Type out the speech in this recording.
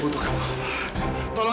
baru dikau mau bangung